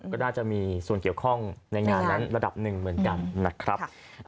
ก็น่าจะมีส่วนเกี่ยวข้องในงานนั้นระดับหนึ่งเหมือนกันนะครับ